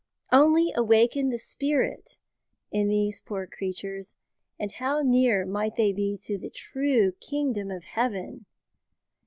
Only awaken the spirit in these poor creatures, and how near might they be to the true Kingdom of Heaven!